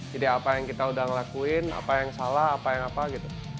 jadi apa yang kita udah ngelakuin apa yang salah apa yang apa gitu